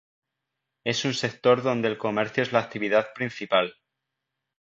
Es un sector donde el comercio es la actividad principal.